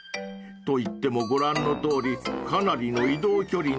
［といってもご覧のとおりかなりの移動距離なので］